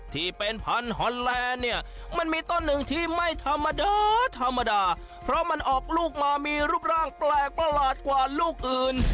ที่เป็นพันธุ์ฮอนแลนด์เนี่ยมันมีต้นหนึ่งที่ไม่ธรรมดาธรรมดาเพราะมันออกลูกมามีรูปร่างแปลกประหลาดกว่าลูกอื่น